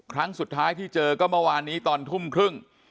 ครั้งสุดท้ายที่เจอก็เมื่อวานนี้ตอนทุ่มครึ่ง